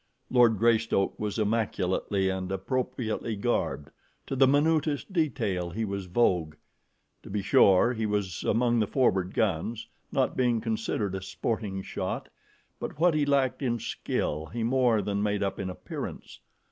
Lord Greystoke was immaculately and appropriately garbed to the minutest detail he was vogue. To be sure, he was among the forward guns, not being considered a sporting shot, but what he lacked in skill he more than made up in appearance.